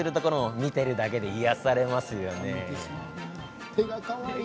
見ているだけで癒やされますよね。